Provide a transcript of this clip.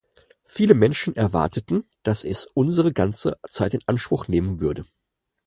Viele Menschen erwarteten, dass es unsere ganze Zeit in Anspruch nehmen würde.